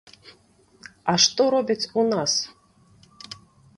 А што робяць у нас?